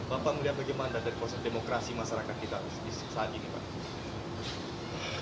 bapak melihat bagaimana dari proses demokrasi masyarakat kita saat ini pak